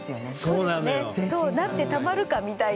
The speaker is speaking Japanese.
そうなってたまるかみたいな逆に。